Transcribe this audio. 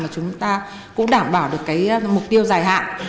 mà chúng ta cũng đảm bảo được mục tiêu dài hạn